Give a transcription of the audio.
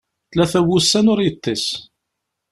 Tlata n wussan ur yeṭṭis.